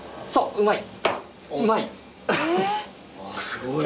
うまい。